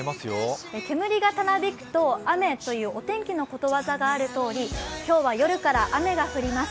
煙がたなびくと雨というお天気のことわざがあるとおり今日は夜から雨が降ります。